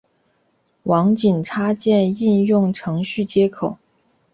网景插件应用程序接口。